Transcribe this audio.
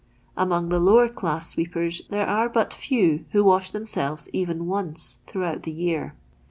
Among the lower class sweepers there are but few who wash themselves even once throughout the year.